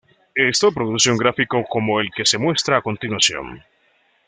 Esto produce un gráfico como el que se muestra a continuación.